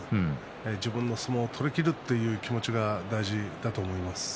自分の相撲を取りきるという気持ちが大事だと思います。